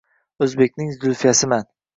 «O‘zbekning Zulfiyasiman»